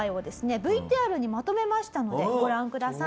ＶＴＲにまとめましたのでご覧ください。